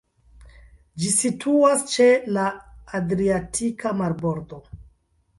Ĝi situas ĉe la Adriatika marbordo.